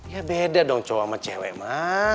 ya beda dong cowok sama cewek ma